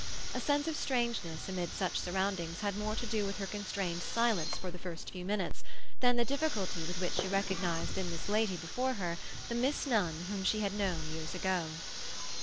A sense of strangeness amid such surroundings had more to do with her constrained silence for the first few minutes than the difficulty with which she recognized in this lady before her the Miss Nunn whom she had known years ago.